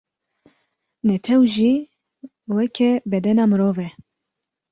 Netew jî weke bedena mirov e.